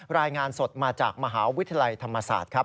รายงานสดมาจากมหาวิทยาลัยธรรมศาสตร์ครับ